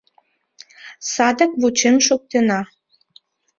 Садак вучен шуктена.